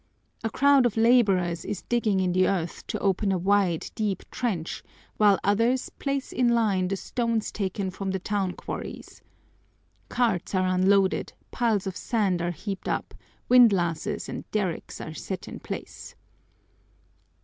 A crowd of laborers is digging in the earth to open a wide, deep trench, while others place in line the stones taken from the town quarries. Carts are unloaded, piles of sand are heaped up, windlasses and derricks are set in place.